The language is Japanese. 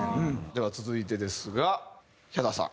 では続いてですがヒャダさん。